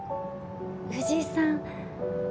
藤井さん